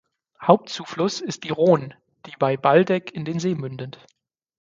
Hauptzufluss ist die Ron, die bei Baldegg in den See mündet.